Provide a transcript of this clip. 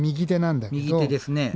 右手ですね。